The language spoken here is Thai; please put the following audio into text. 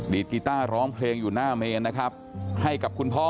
ดกีต้าร้องเพลงอยู่หน้าเมนนะครับให้กับคุณพ่อ